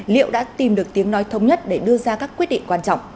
liệu đã tìm được tiếng nói thống nhất để đưa ra các quyết định quan trọng